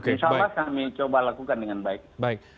insya allah kami coba lakukan dengan baik